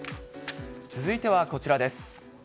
続いてはこちらです。